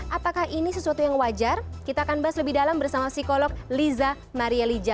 apakah ini sesuatu yang wajar kita akan bahas lebih dalam bersama psikolog liza marie lija